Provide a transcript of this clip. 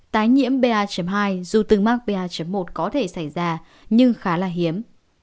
tái nhiễm ba hai dù từng mắc ba một có thể xảy ra nhưng khá là hiếm